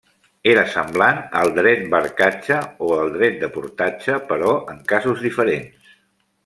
Era semblant al dret barcatge o al dret de portatge, però en casos diferents.